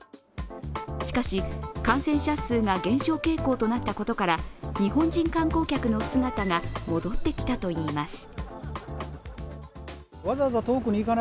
しかし、感染者数が減少傾向となったことから日本人観光客の姿が戻ってきたといいます。